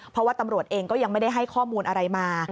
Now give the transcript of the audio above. เพราะว่าตำรวจเองก็ยังไม่ได้ให้ข้อมูลอะไรมา